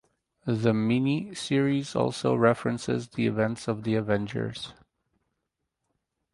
The miniseries also references the events of "The Avengers".